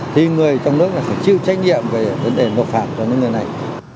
thì người trong nước phải chịu trách nhiệm về vấn đề luật phạm cho những người này